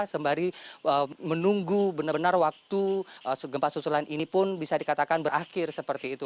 sembari menunggu benar benar waktu gempa susulan ini pun bisa dikatakan berakhir seperti itu